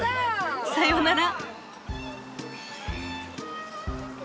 さようなら。